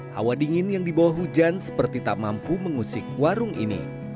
hawa dingin yang dibawah hujan seperti tak mampu mengusik warung ini